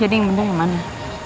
jadi yang bener yang mana